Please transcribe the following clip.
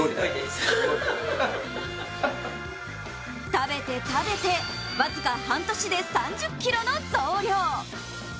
食べて食べて、僅か半年で３０ｋｇの増量。